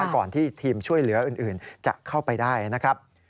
ก่อนที่ทีมช่วยเหลืออื่นจะเข้าไปได้นะครับ